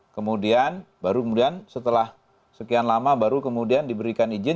kemudian baru kemudian setelah sekian lama baru kemudian diberikan izin